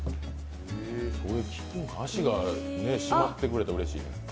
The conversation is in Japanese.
足が締まってくれたらうれしいね。